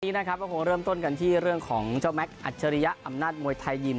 วันนี้นะครับก็คงเริ่มต้นกันที่เรื่องของเจ้าแม็กซอัจฉริยะอำนาจมวยไทยยิม